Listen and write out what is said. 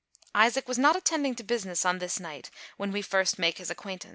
Isaac was not attending to business on this night, when we first make his acquaintance.